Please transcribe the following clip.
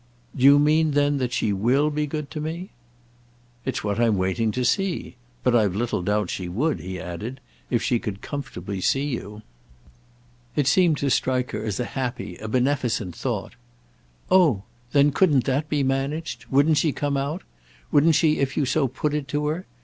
"Do you mean then that she will be good to me?" "It's what I'm waiting to see. But I've little doubt she would," he added, "if she could comfortably see you." It seemed to strike her as a happy, a beneficent thought. "Oh then couldn't that be managed? Wouldn't she come out? Wouldn't she if you so put it to her?